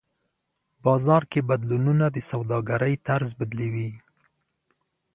بازار کې بدلونونه د سوداګرۍ طرز بدلوي.